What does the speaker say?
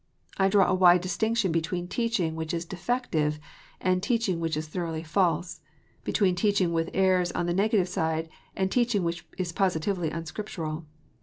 I draw a wide distinction between teaching which is defective and teaching which is thoroughly false, between teaching which errs on the negative side and teaching which is positively unscriptural.